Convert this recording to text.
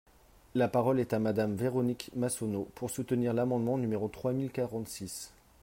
La parole est à Madame Véronique Massonneau, pour soutenir l’amendement numéro trois mille quarante-six.